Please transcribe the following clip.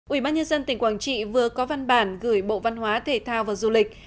ủy ban nhân dân tỉnh quảng trị vừa có văn bản gửi bộ văn hóa thể thao và du lịch